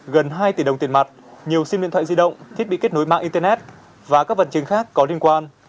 gần hai tỷ đồng tiền mặt nhiều sim điện thoại di động thiết bị kết nối mạng internet và các vật chứng khác có liên quan